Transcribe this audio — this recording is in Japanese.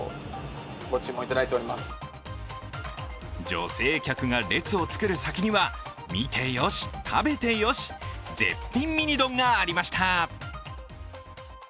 女性客が列を作る先には見てよし、食べてよし、絶品ミニ丼がありました。